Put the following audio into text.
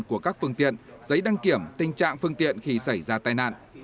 của các phương tiện giấy đăng kiểm tình trạng phương tiện khi xảy ra tai nạn